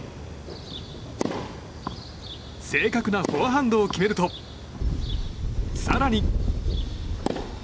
正確なフォアハンドを決めると更に。